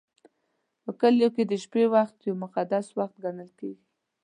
په کلیو کې د شپې وخت یو مقدس وخت ګڼل کېږي.